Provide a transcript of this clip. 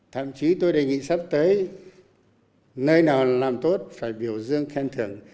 thậm chí tôi đề nghị sắp tới nơi nào làm tốt phải biểu dương khen thưởng